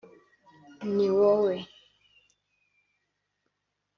Ni wowe